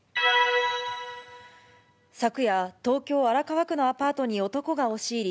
昨夜、東京・荒川区のアパートに男が押し入り、